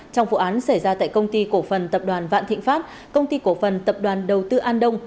trong vụ án xảy ra tại công ty cổ phần tập đoàn vạn thịnh pháp công ty cổ phần tập đoàn đầu tư an đông